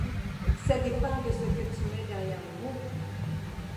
Ça dépend de ce que tu mets derrière le mot.